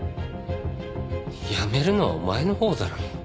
やめるのはお前のほうだろ。